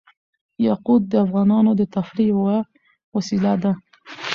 یاقوت د افغانانو د تفریح یوه وسیله ده.